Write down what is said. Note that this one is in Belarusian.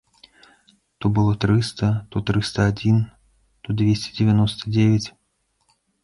То было трыста, то трыста адзін, то дзвесце дзевяноста дзевяць.